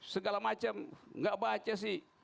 segala macam gak baca sih